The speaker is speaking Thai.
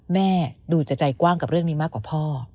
แม่ดูจะใจกว้างกับเรื่องนี้มากกว่าพ่อ